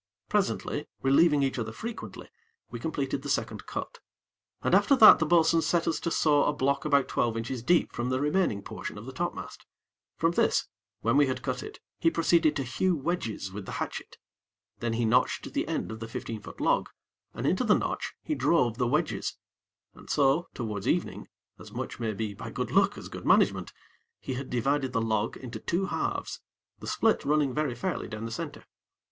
Presently, relieving each other frequently, we completed the second cut, and after that the bo'sun set us to saw a block about twelve inches deep from the remaining portion of the topmast. From this, when we had cut it, he proceeded to hew wedges with the hatchet. Then he notched the end of the fifteen foot log, and into the notch he drove the wedges, and so, towards evening, as much, maybe, by good luck as good management, he had divided the log into two halves the split running very fairly down the center.